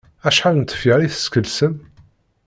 Acḥal n tefyar i teskelsem?